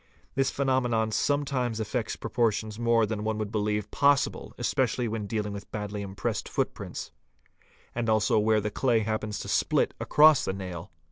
This phenomenon sometimes affects proportions more than one would believe possible especially when dealing with badly impressed footprints, and also where the clay happens to split across the nail.